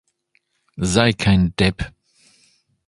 Sei kein Depp.